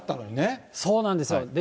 そうなんですよ。